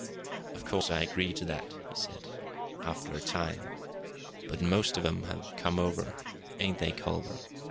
"Of course, I agree to that," he said. "After a time. But most of 'em have come over, ain't they, Culver?